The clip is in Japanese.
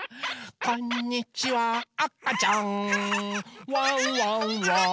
「こんにちはあかちゃんワンワンはワンワンですよ！」